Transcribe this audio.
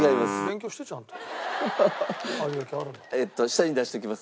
下に出しておきます。